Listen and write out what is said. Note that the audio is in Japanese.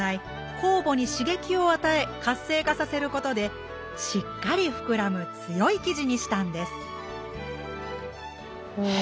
酵母に刺激を与え活性化させることでしっかりふくらむ強い生地にしたんですへえ。